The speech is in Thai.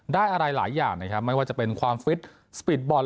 ได้อะไรหลายอย่างนะครับไม่ว่าจะเป็นความฟิตสปีดบอล